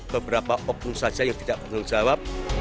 beberapa opus saja yang tidak terjawab